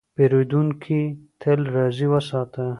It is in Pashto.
پیرودونکی تل راضي وساته.